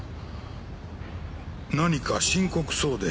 何か深刻そうで。